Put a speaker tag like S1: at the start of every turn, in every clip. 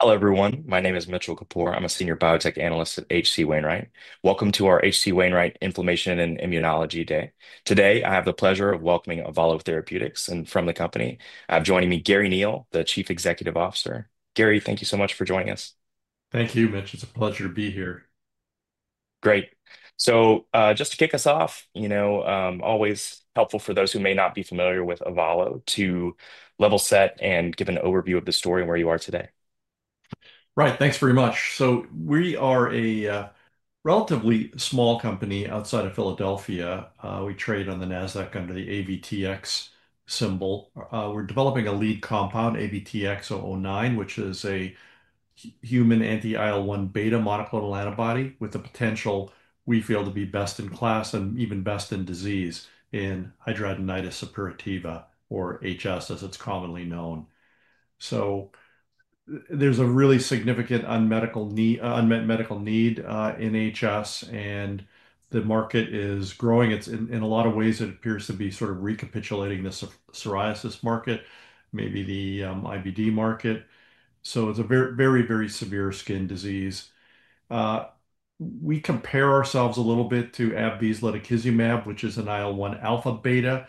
S1: Hello, everyone. My name is Mitchell Kapoor. I'm a senior biotech analyst at HC Wainwright. Welcome to our HC Wainwright Inflammation and Immunology Day. Today, I have the pleasure of welcoming Avalo Therapeutics and, from the company, I have joining me Garry Neil, the Chief Executive Officer. Garry, thank you so much for joining us.
S2: Thank you, Mitch. It's a pleasure to be here.
S1: Great. Just to kick us off, you know, always helpful for those who may not be familiar with Avalo to level set and give an overview of the story and where you are today.
S2: Right. Thanks very much. We are a relatively small company outside of Philadelphia. We trade on the Nasdaq under the AVTX symbol. We're developing a lead compound, AVTX-009, which is a human anti-IL-1β monoclonal antibody with the potential we feel to be best in class and even best in disease in hidradenitis suppurativa, or HS, as it's commonly known. There's a really significant unmet medical need in HS, and the market is growing. In a lot of ways, it appears to be sort of recapitulating the psoriasis market, maybe the IBD market. It's a very, very severe skin disease. We compare ourselves a little bit to AbbVie's ladakizumab, which is an IL-1α/β.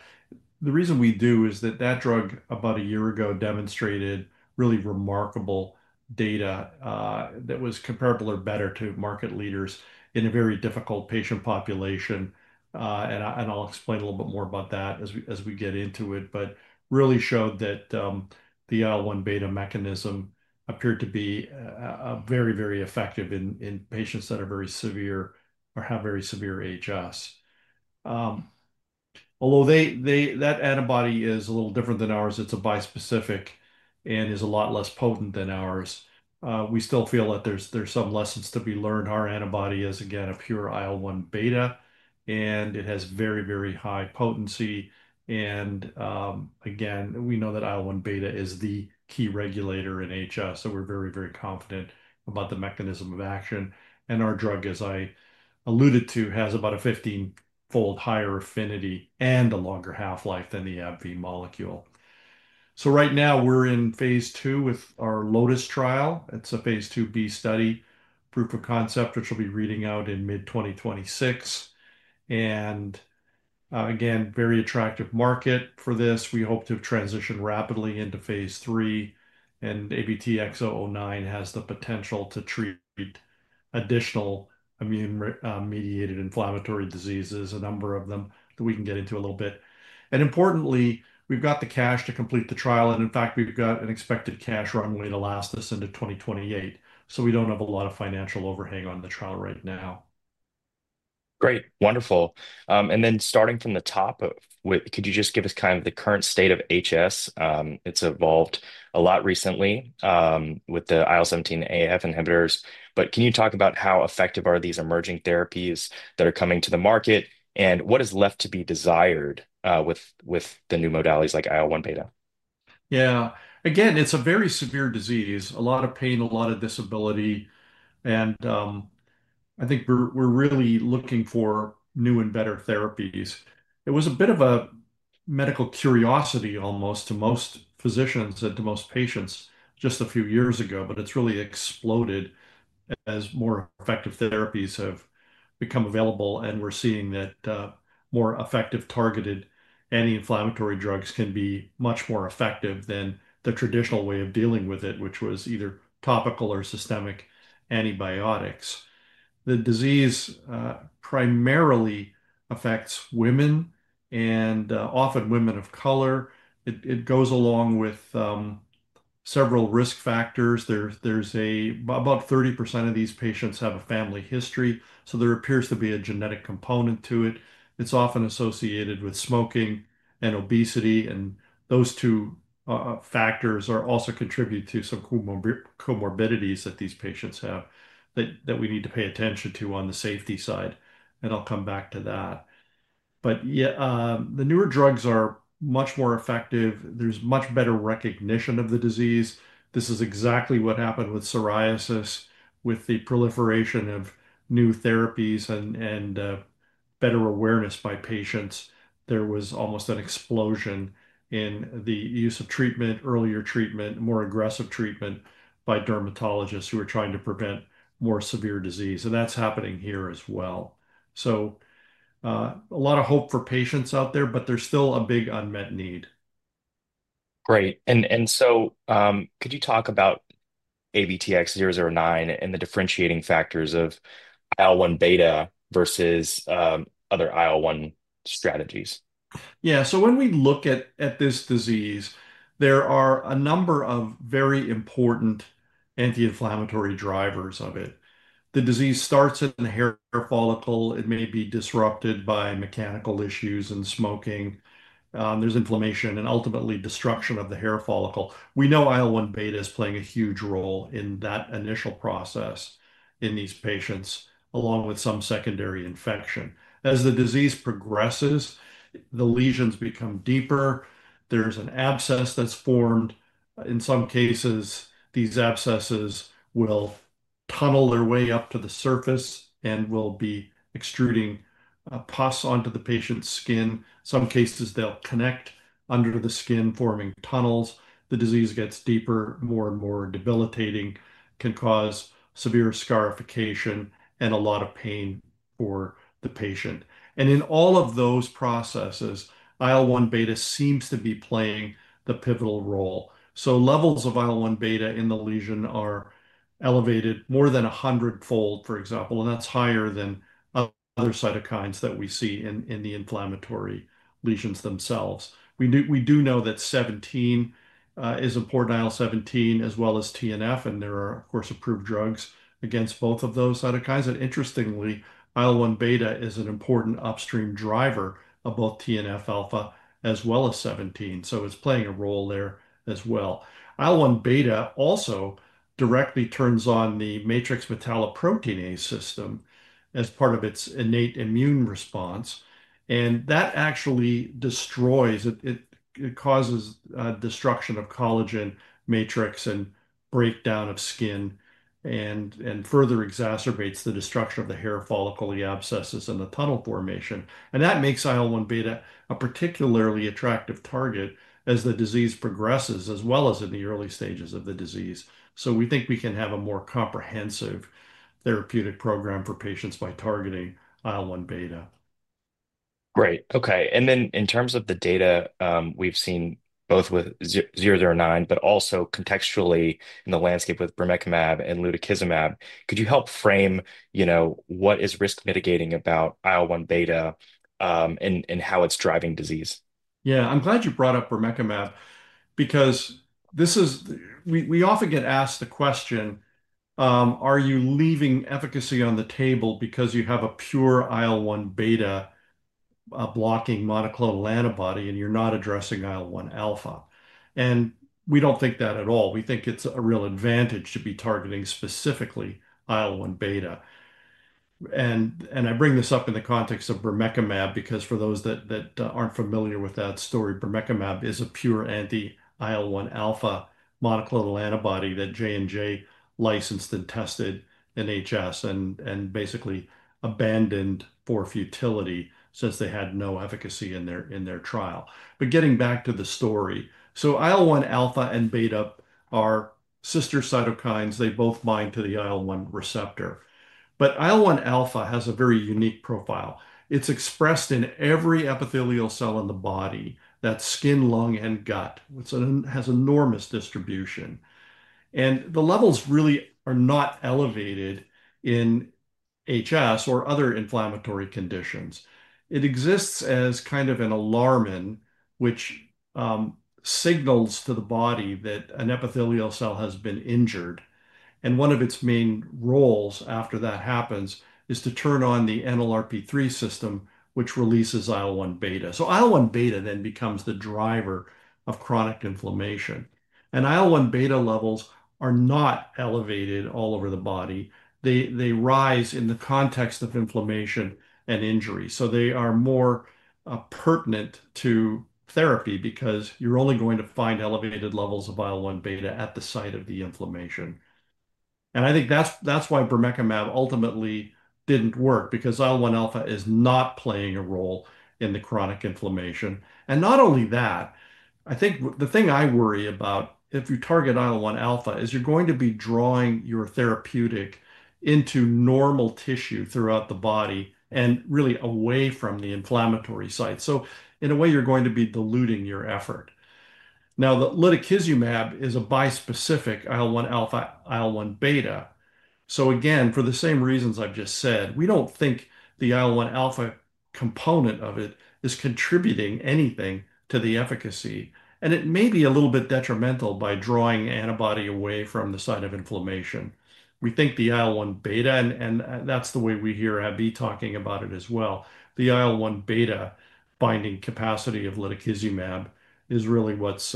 S2: The reason we do is that that drug, about a year ago, demonstrated really remarkable data that was comparable or better to market leaders in a very difficult patient population. I'll explain a little bit more about that as we get into it, but it really showed that the IL-1β mechanism appeared to be very, very effective in patients that are very severe or have very severe HS. Although that antibody is a little different than ours, it's a bispecific and is a lot less potent than ours, we still feel that there's some lessons to be learned. Our antibody is, again, a pure IL-1β, and it has very, very high potency. Again, we know that IL-1β is the key regulator in HS, so we're very, very confident about the mechanism of action. Our drug, as I alluded to, has about a 15-fold higher affinity and a longer half-life than the AbbVie molecule. Right now, we're in phase II with our Lotus trial. It's a phase II-B study, proof of concept, which we'll be reading out in mid-2026. Again, very attractive market for this. We hope to transition rapidly into phase III, and AVTX-009 has the potential to treat additional immune-mediated inflammatory diseases, a number of them, that we can get into a little bit. Importantly, we've got the cash to complete the trial. In fact, we've got an expected cash runway to last us into 2028. We don't have a lot of financial overhang on the trial right now.
S1: Great. Wonderful. Starting from the top, could you just give us kind of the current state of HS? It's evolved a lot recently with the IL-17 AF inhibitors. Can you talk about how effective are these emerging therapies that are coming to the market, and what is left to be desired with the new modalities like IL-1 beta?
S2: Yeah. Again, it's a very severe disease, a lot of pain, a lot of disability. I think we're really looking for new and better therapies. It was a bit of a medical curiosity almost to most physicians and to most patients just a few years ago, but it's really exploded as more effective therapies have become available. We're seeing that more effective targeted anti-inflammatory drugs can be much more effective than the traditional way of dealing with it, which was either topical or systemic antibiotics. The disease primarily affects women and often women of color. It goes along with several risk factors. About 30% of these patients have a family history, so there appears to be a genetic component to it. It's often associated with smoking and obesity. Those two factors also contribute to some comorbidities that these patients have that we need to pay attention to on the safety side. I'll come back to that. The newer drugs are much more effective. There's much better recognition of the disease. This is exactly what happened with psoriasis, with the proliferation of new therapies and better awareness by patients. There was almost an explosion in the use of treatment, earlier treatment, more aggressive treatment by dermatologists who are trying to prevent more severe disease. That's happening here as well. A lot of hope for patients out there, but there's still a big unmet need.
S1: Great. Could you talk about AVTX-009 and the differentiating factors of IL-1β versus other IL-1α trategies?
S2: Yeah. When we look at this disease, there are a number of very important anti-inflammatory drivers of it. The disease starts at the hair follicle. It may be disrupted by mechanical issues and smoking. There is inflammation and ultimately destruction of the hair follicle. We know IL-1β is playing a huge role in that initial process in these patients, along with some secondary infection. As the disease progresses, the lesions become deeper. There is an abscess that is formed. In some cases, these abscesses will tunnel their way up to the surface and will be extruding pus onto the patient's skin. In some cases, they will connect under the skin, forming tunnels. The disease gets deeper, more and more debilitating, can cause severe scarification, and a lot of pain for the patient. In all of those processes, IL-1β seems to be playing the pivotal role. Levels of IL-1β in the lesion are elevated more than 100-fold, for example. That is higher than other cytokines that we see in the inflammatory lesions themselves. We do know that IL-17 is important, IL-17, as well as TNF. There are, of course, approved drugs against both of those cytokines. Interestingly, IL-1β is an important upstream driver of both TNFα as well as IL-17. It is playing a role there as well. IL-1β also directly turns on the matrix metalloproteinase system as part of its innate immune response. That actually destroys it. It causes destruction of collagen matrix and breakdown of skin and further exacerbates the destruction of the hair follicle, the abscesses, and the tunnel formation. That makes IL-1β a particularly attractive target as the disease progresses, as well as in the early stages of the disease. We think we can have a more comprehensive therapeutic program for patients by targeting IL-1β.
S1: Great. Okay. In terms of the data we've seen both with AVTX-009, but also contextually in the landscape with brimekizumab and ladakizumab, could you help frame what is risk mitigating about IL-1β and how it's driving disease?
S2: Yeah. I'm glad you brought up brimekizumab because we often get asked the question, "Are you leaving efficacy on the table because you have a pure IL-1β blocking monoclonal antibody and you're not addressing IL-1α?" We don't think that at all. We think it's a real advantage to be targeting specifically IL-1β. I bring this up in the context of brimekizumab because for those that aren't familiar with that story, brimekizumab is a pure anti-IL-1α monoclonal antibody that Johnson & Johnson licensed and tested in HS and basically abandoned for futility since they had no efficacy in their trial. Getting back to the story, IL-1α and β are sister cytokines. They both bind to the IL-1 receptor. IL-1α has a very unique profile. It's expressed in every epithelial cell in the body, that's skin, lung, and gut. It has enormous distribution. The levels really are not elevated in HS or other inflammatory conditions. It exists as kind of an alarmin, which signals to the body that an epithelial cell has been injured. One of its main roles after that happens is to turn on the NLRP3 system, which releases IL-1β. IL-1β then becomes the driver of chronic inflammation. IL-1β levels are not elevated all over the body. They rise in the context of inflammation and injury. They are more pertinent to therapy because you're only going to find elevated levels of IL-1β at the site of the inflammation. I think that's why brimekizumab ultimately did not work because IL-1α is not playing a role in the chronic inflammation. Not only that, I think the thing I worry about if you target IL-1α is you're going to be drawing your therapeutic into normal tissue throughout the body and really away from the inflammatory site. In a way, you're going to be diluting your effort. Now, the ladakizumab is a bispecific IL-1α, IL-1β. For the same reasons I've just said, we don't think the IL-1α component of it is contributing anything to the efficacy. It may be a little bit detrimental by drawing antibody away from the site of inflammation. We think the IL-1β, and that's the way we hear AbbVie talking about it as well, the IL-1β binding capacity of ladakizumab is really what's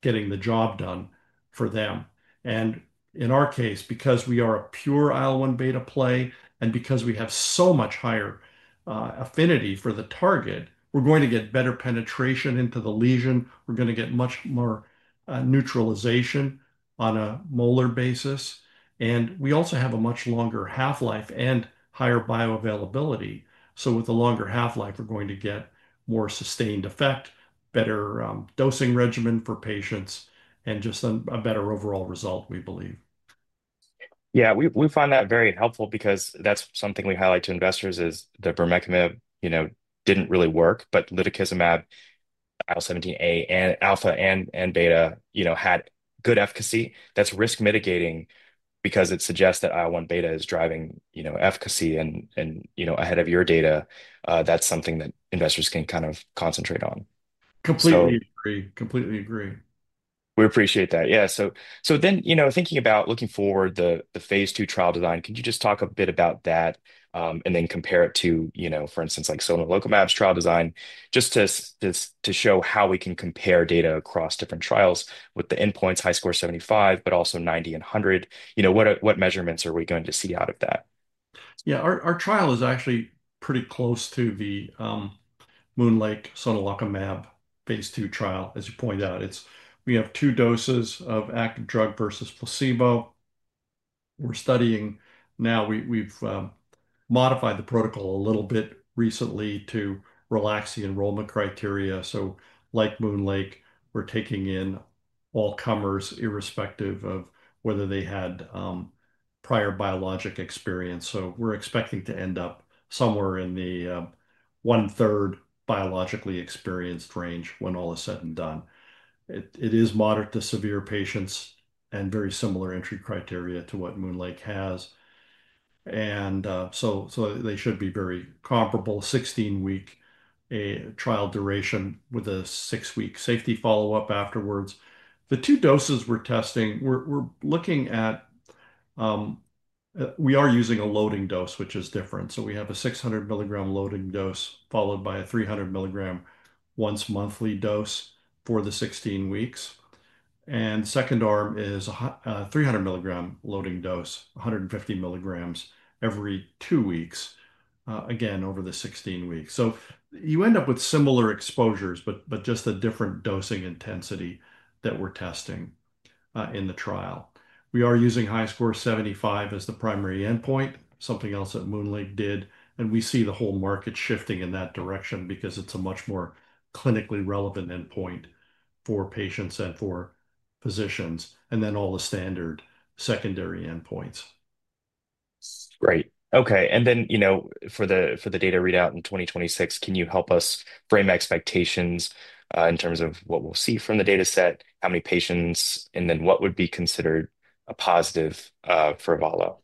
S2: getting the job done for them. In our case, because we are a pure IL-1β play and because we have so much higher affinity for the target, we're going to get better penetration into the lesion. We're going to get much more neutralization on a molar basis. We also have a much longer half-life and higher bioavailability. With a longer half-life, we're going to get more sustained effect, better dosing regimen for patients, and just a better overall result, we believe.
S1: Yeah. We find that very helpful because that's something we highlight to investors is that brimekizumab didn't really work, but ladakizumab, IL-17 alpha and beta, had good efficacy. That's risk mitigating because it suggests that IL-1β is driving efficacy and ahead of your data. That's something that investors can kind of concentrate on.
S2: Completely agree.
S1: We appreciate that. Yeah. Thinking about looking forward, the phase two trial design, could you just talk a bit about that and then compare it to, for instance, like sonelokimab's trial design, just to show how we can compare data across different trials with the endpoints, HiSCR-75, but also 90 and 100? What measurements are we going to see out of that?
S2: Yeah. Our trial is actually pretty close to the Moonlake sonelokimab phase two trial, as you point out. We have two doses of active drug versus placebo. We're studying now. We've modified the protocol a little bit recently to relax the enrollment criteria. Like Moonlake, we're taking in all comers irrespective of whether they had prior biologic experience. We're expecting to end up somewhere in the one-third biologic experienced range when all is said and done. It is moderate to severe patients and very similar entry criteria to what Moonlake has. They should be very comparable, 16-week trial duration with a six-week safety follow-up afterwards. The two doses we're testing, we're looking at, we are using a loading dose, which is different. We have a 600 mg loading dose followed by a 300 mg once-monthly dose for the 16 weeks. The second arm is a 300-milligram loading dose, 150 milligrams every two weeks, again, over the 16 weeks. You end up with similar exposures, but just a different dosing intensity that we're testing in the trial. We are using HiSCR-75 as the primary endpoint, something else that Moonlake did. We see the whole market shifting in that direction because it's a much more clinically relevant endpoint for patients and for physicians, and then all the standard secondary endpoints.
S1: Great. Okay. For the data readout in 2026, can you help us frame expectations in terms of what we'll see from the dataset, how many patients, and what would be considered a positive for Avalo?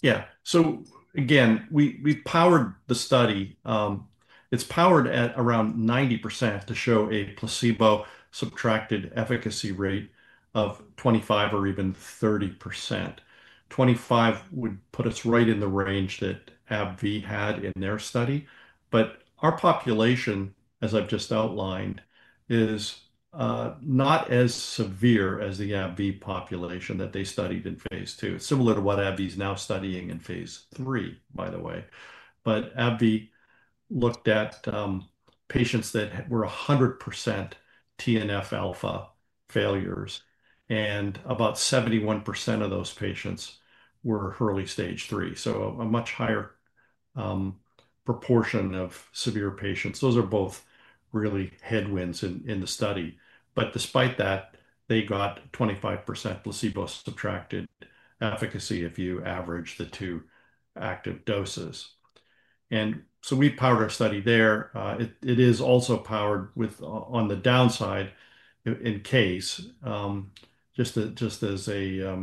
S2: Yeah. So again, we powered the study. It's powered at around 90% to show a placebo-subtracted efficacy rate of 25% or even 30%. 25% would put us right in the range that AbbVie had in their study. But our population, as I've just outlined, is not as severe as the AbbVie population that they studied in phase two. It's similar to what AbbVie is now studying in phase three, by the way. But AbbVie looked at patients that were 100% TNFα failures. And about 71% of those patients were early stage three. So a much higher proportion of severe patients. Those are both really headwinds in the study. But despite that, they got 25% Placebo-Subtracted efficacy if you average the two active doses. And so we powered our study there. It is also powered on the downside in case, just as a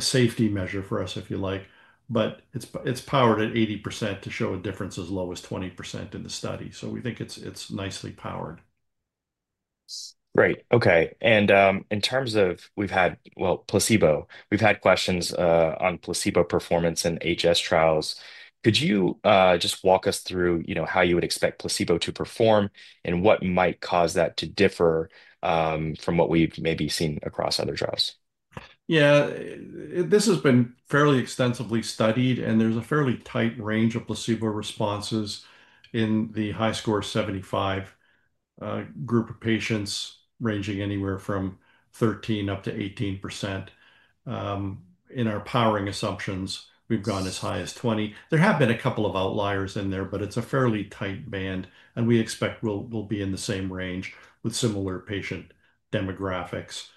S2: safety measure for us, if you like. It is powered at 80% to show a difference as low as 20% in the study. We think it is nicely powered.
S1: Great. Okay. In terms of, well, placebo, we've had questions on placebo performance in HS trials. Could you just walk us through how you would expect placebo to perform and what might cause that to differ from what we've maybe seen across other trials?
S2: Yeah. This has been fairly extensively studied, and there's a fairly tight range of placebo responses in the HiSCR-75 group of patients ranging anywhere from 13% up to 18%. In our powering assumptions, we've gone as high as 20%. There have been a couple of outliers in there, but it's a fairly tight band. We expect we'll be in the same range with similar patient demographics.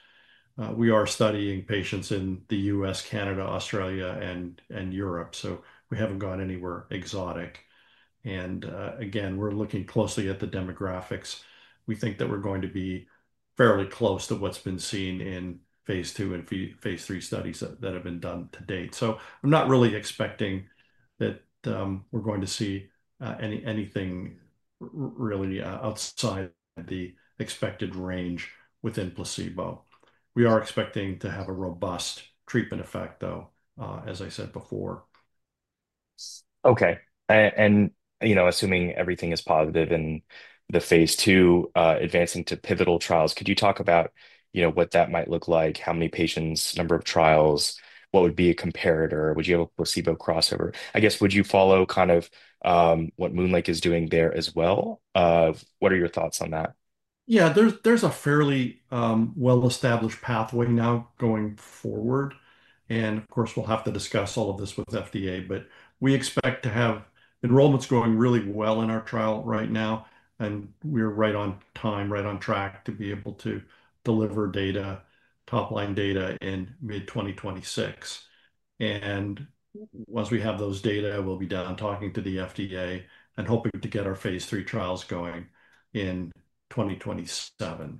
S2: We are studying patients in the U.S., Canada, Australia, and Europe. We haven't gone anywhere exotic. Again, we're looking closely at the demographics. We think that we're going to be fairly close to what's been seen in phase two and phase three studies that have been done to date. I'm not really expecting that we're going to see anything really outside the expected range within placebo. We are expecting to have a robust treatment effect, though, as I said before.
S1: Okay. Assuming everything is positive and the phase II advancing to pivotal trials, could you talk about what that might look like, how many patients, number of trials, what would be a comparator? Would you have a placebo crossover? I guess, would you follow kind of what Moonlake is doing there as well? What are your thoughts on that?
S2: Yeah. There's a fairly well-established pathway now going forward. Of course, we'll have to discuss all of this with FDA. We expect to have enrollments going really well in our trial right now. We're right on time, right on track to be able to deliver data, top-line data in mid-2026. Once we have those data, we'll be done talking to the FDA and hoping to get our phase III trials going in 2027.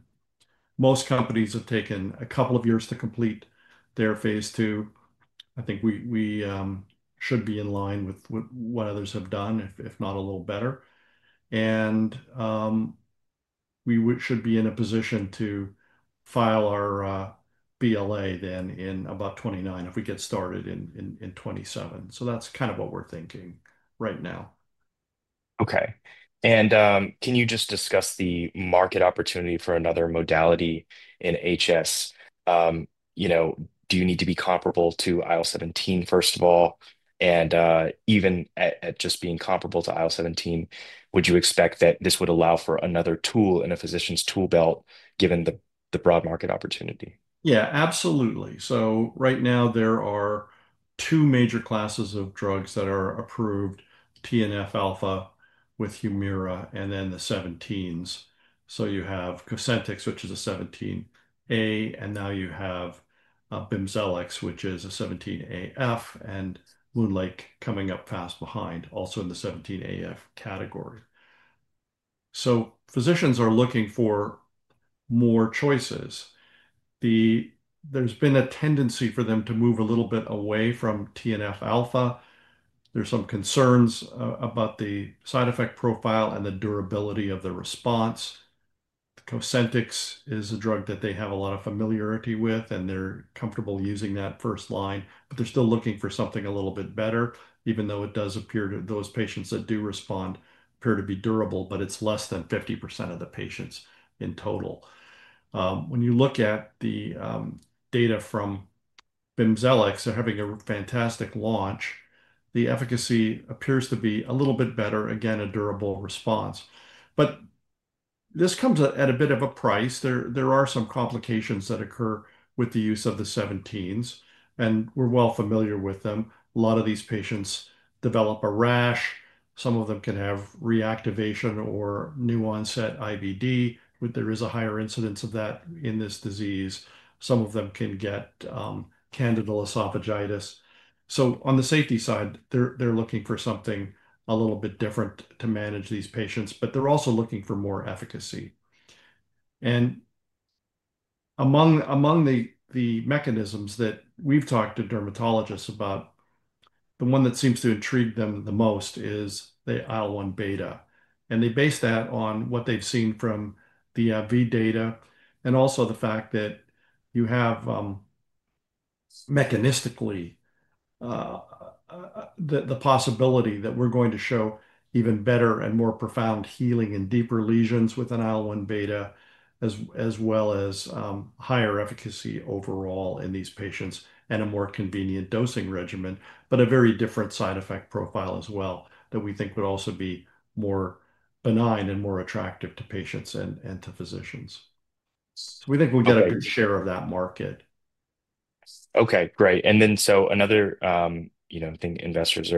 S2: Most companies have taken a couple of years to complete their phase II. I think we should be in line with what others have done, if not a little better. We should be in a position to file our BLA then in about 2029 if we get started in 2027. That's kind of what we're thinking right now.
S1: Okay. Can you just discuss the market opportunity for another modality in HS? Do you need to be comparable to IL-17, first of all? Even at just being comparable to IL-17, would you expect that this would allow for another tool in a physician's tool belt given the broad market opportunity?
S2: Yeah, absolutely. Right now, there are two major classes of drugs that are approved, TNF alpha with Humira, and then the 17s. You have Cosentyx, which is a 17A, and now you have Bimekizumab, which is a 17AF, and Moonlake coming up fast behind, also in the 17AF category. Physicians are looking for more choices. There's been a tendency for them to move a little bit away from TNF alpha. There's some concerns about the side effect profile and the durability of the response. Cosentyx is a drug that they have a lot of familiarity with, and they're comfortable using that first line. They're still looking for something a little bit better, even though it does appear to those patients that do respond appear to be durable, but it's less than 50% of the patients in total. When you look at the data from Bimekizumab, they're having a fantastic launch. The efficacy appears to be a little bit better, again, a durable response. This comes at a bit of a price. There are some complications that occur with the use of the 17s. We're well familiar with them. A lot of these patients develop a rash. Some of them can have reactivation or new-onset IBD, but there is a higher incidence of that in this disease. Some of them can get candida esophagitis. On the safety side, they're looking for something a little bit different to manage these patients, but they're also looking for more efficacy. Among the mechanisms that we've talked to dermatologists about, the one that seems to intrigue them the most is the IL-1β. They base that on what they've seen from the AbbVie data and also the fact that you have mechanistically the possibility that we're going to show even better and more profound healing and deeper lesions with an IL-1β, as well as higher efficacy overall in these patients and a more convenient dosing regimen, but a very different side effect profile as well that we think would also be more benign and more attractive to patients and to physicians. We think we'll get a good share of that market.
S1: Okay. Great. Another thing investors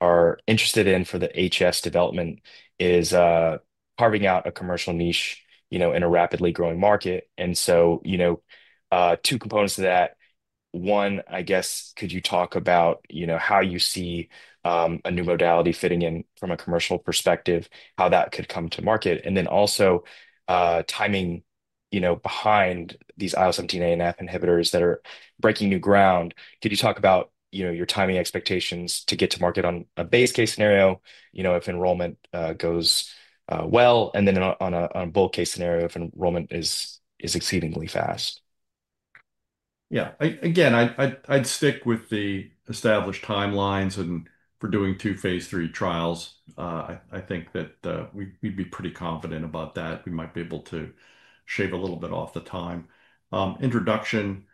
S1: are interested in for the HS development is carving out a commercial niche in a rapidly growing market. Two components to that. One, I guess, could you talk about how you see a new modality fitting in from a commercial perspective, how that could come to market, and also timing behind these IL-17 ANF Inhibitors that are breaking new ground? Could you talk about your timing expectations to get to market on a base case scenario if enrollment goes well, and then on a bull case scenario if enrollment is exceedingly fast?
S2: Yeah. Again, I'd stick with the established timelines for doing two phase III trials. I think that we'd be pretty confident about that. We might be able to shave a little bit off the time. Introduction,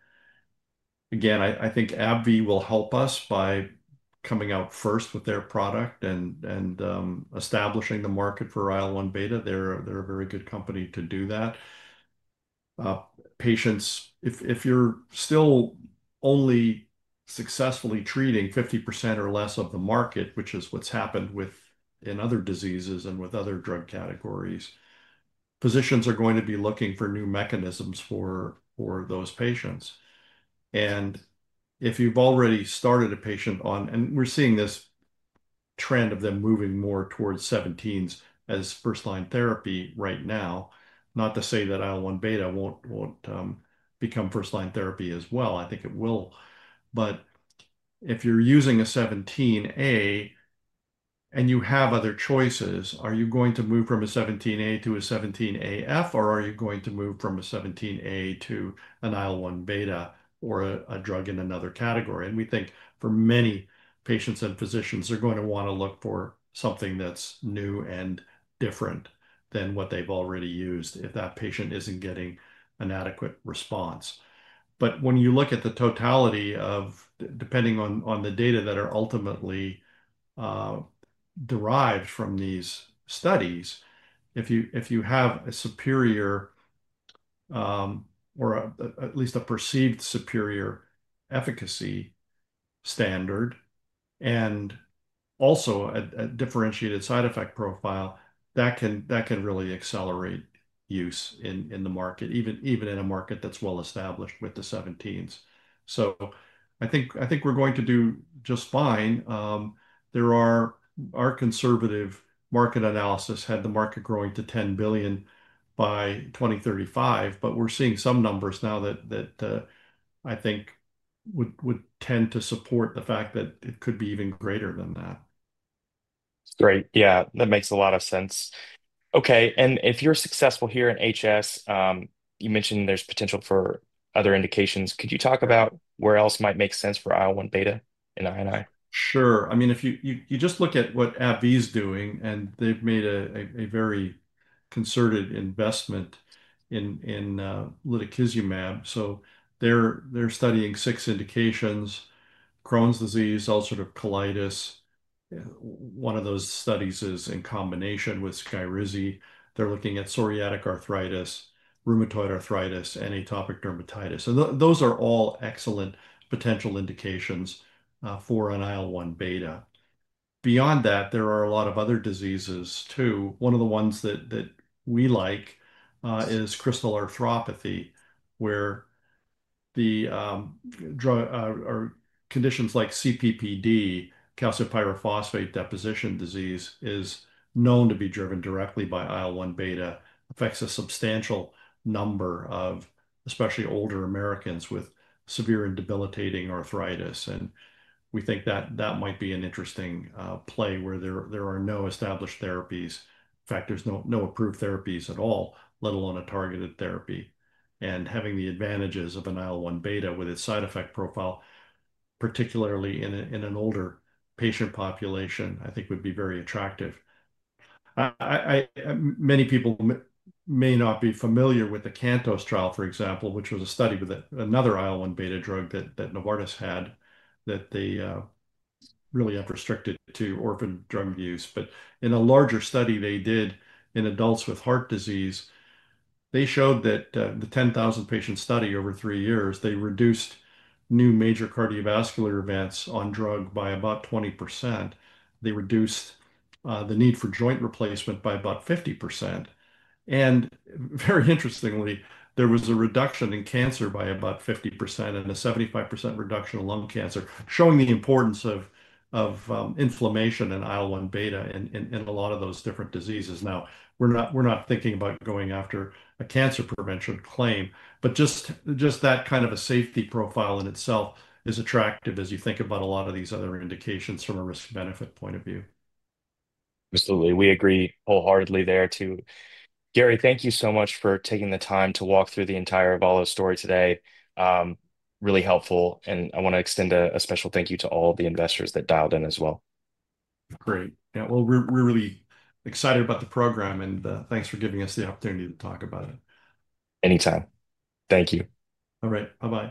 S2: again, I think AbbVie will help us by coming out first with their product and establishing the market for IL-1β. They're a very good company to do that. Patients, if you're still only successfully treating 50% or less of the market, which is what's happened in other diseases and with other drug categories, physicians are going to be looking for new mechanisms for those patients. If you've already started a patient on, and we're seeing this trend of them moving more towards 17s as first-line therapy right now, not to say that IL-1β won't become first-line therapy as well. I think it will. If you're using a 17A and you have other choices, are you going to move from a 17A to a 17AF, or are you going to move from a 17A to an IL-1β or a drug in another category? We think for many patients and physicians, they're going to want to look for something that's new and different than what they've already used if that patient isn't getting an adequate response. When you look at the totality of, depending on the data that are ultimately derived from these studies, if you have a superior or at least a perceived superior efficacy standard and also a differentiated side effect profile, that can really accelerate use in the market, even in a market that's well-established with the 17s. I think we're going to do just fine. Our conservative market analysis had the market growing to $10 billion by 2035, but we're seeing some numbers now that I think would tend to support the fact that it could be even greater than that.
S1: Great. Yeah. That makes a lot of sense. Okay. If you're successful here in HS, you mentioned there's potential for other indications. Could you talk about where else might make sense for IL-1β in INI?
S2: Sure. I mean, if you just look at what AbbVie is doing, and they've made a very concerted investment in ladakizumab. They are studying six indications: Crohn's disease, ulcerative colitis. One of those studies is in combination with Skyrizi. They are looking at psoriatic arthritis, rheumatoid arthritis, and atopic dermatitis. Those are all excellent potential indications for an IL-1β. Beyond that, there are a lot of other diseases too. One of the ones that we like is crystal arthropathy, where conditions like CPPD, calcium pyrophosphate deposition disease, is known to be driven directly by IL-1β. It affects a substantial number of, especially older Americans, with severe and debilitating arthritis. We think that that might be an interesting play where there are no established therapies. In fact, there are no approved therapies at all, let alone a targeted therapy. Having the advantages of an IL-1β with its side effect profile, particularly in an older patient population, I think would be very attractive. Many people may not be familiar with the CANTOS trial, for example, which was a study with another IL-1β drug that Novartis had that they really have restricted to orphan drug use. In a larger study they did in adults with heart disease, they showed that the 10,000-patient study over three years, they reduced new major cardiovascular events on drug by about 20%. They reduced the need for joint replacement by about 50%. Very interestingly, there was a reduction in cancer by about 50% and a 75% reduction in lung cancer, showing the importance of inflammation in IL-1β in a lot of those different diseases. Now, we're not thinking about going after a cancer prevention claim, but just that kind of a safety profile in itself is attractive as you think about a lot of these other indications from a risk-benefit point of view.
S1: Absolutely. We agree wholeheartedly there too. Garry, thank you so much for taking the time to walk through the entire Avalo story today. Really helpful. I want to extend a special thank you to all the investors that dialed in as well.
S2: Great. Yeah. We are really excited about the program, and thanks for giving us the opportunity to talk about it.
S1: Anytime. Thank you.
S2: All right. Bye-bye.